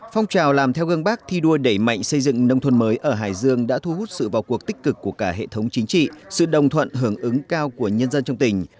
phong trào làm theo gương bác thi đua đẩy mạnh xây dựng nông thôn mới ở hải dương đã thu hút sự vào cuộc tích cực của cả hệ thống chính trị sự đồng thuận hưởng ứng cao của nhân dân trong tỉnh